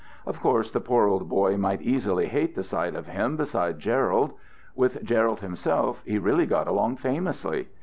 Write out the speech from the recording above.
Of course, the poor old boy might easily hate the sight of him beside Gerald. With Gerald himself he really got along famously.